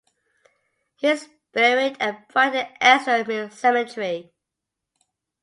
He is buried at Brighton Extra Mural Cemetery.